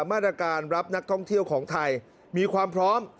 มาตรการรับนักท่องเที่ยวของไทยมีความพร้อม